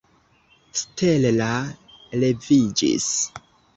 Stella leviĝis.